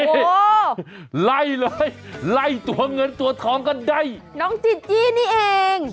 โอ้โหไล่เลยไล่ตัวเงินตัวทองกันได้น้องจีจี้นี่เอง